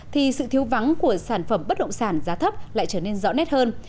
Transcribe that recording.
thì sự thiếu vắng của sản phẩm bất động sản giá thấp lại trở nên rõ nét hơn